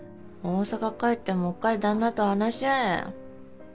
大阪帰ってもっかい旦那と話し合え。